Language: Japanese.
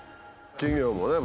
企業もね